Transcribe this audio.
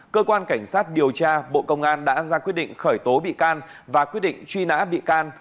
cơ quan cảnh sát điều tra bộ công an đã ra quyết định khởi tố bị can và quyết định truy nã bị can